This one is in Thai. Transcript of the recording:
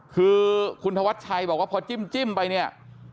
คือคุณธวัชชัยบอกว่าพอจิ้มไปเนี่ย